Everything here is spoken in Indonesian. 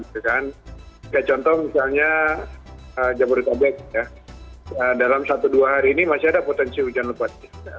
kayak contoh misalnya jabodetabek ya dalam satu dua hari ini masih ada potensi hujan lebat